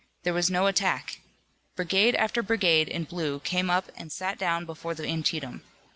There was no attack. Brigade after brigade in blue came up and sat down before the Antietam.